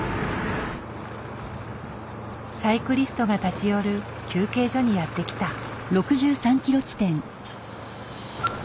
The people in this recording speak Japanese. サイクリストが立ち寄る休憩所にやって来た。